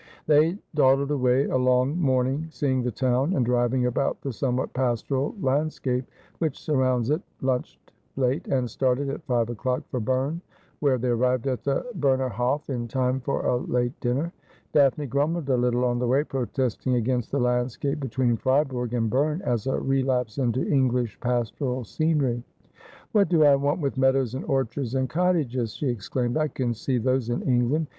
They dawdled away a long morning seeing the town and driving about the somewhat pastoral landscape which surrounds it, lunched late, and started at five o'clock for Berne, where they arrived at the Berner Hof in time for a late dinner. Daphne grumbled a little on the way, protesting against the landscape between Fribourg and Berne as a relapse into Eng lish pastoral scenery. ' What do I want with meadows, and orchards, and cot tages?' she exclaimed 'I can see those in Eugland.